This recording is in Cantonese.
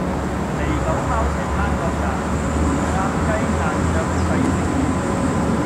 狸狗貓蛇烹作饌，鴨雞雁雀製成筵